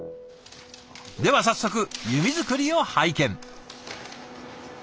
では早速弓作りを拝見。